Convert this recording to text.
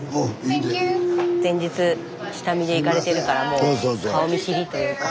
スタジオ前日下見で行かれてるからもう顔見知りというか。